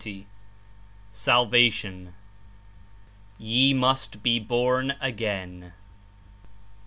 (T, 115 Salvation "ye must be born again.'